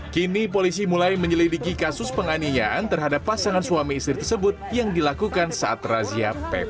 kini polisi mulai menyelidiki kasus penganiayaan terhadap pasangan suami istri tersebut yang dilakukan saat razia ppk